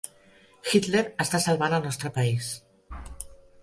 Hitler està salvant el nostre país.